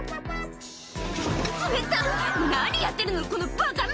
「冷たっ何やってるのこのバカ息子！」